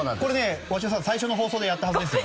鷲尾さん、最初の放送でやったはずですよ。